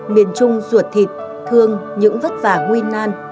miền trung ruột thịt thương những vất vả nguy nan